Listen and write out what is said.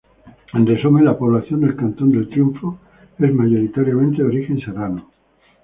En resumen la población del cantón el Triunfo es mayoritariamente de origen serrano.